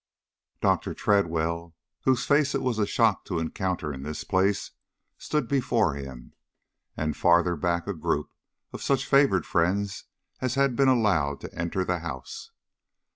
Dr. Tredwell, whose face it was a shock to encounter in this place, stood before him, and farther back a group of such favored friends as had been allowed to enter the house.